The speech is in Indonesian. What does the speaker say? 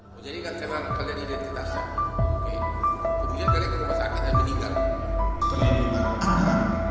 menjadikan sehankal dari identitasnya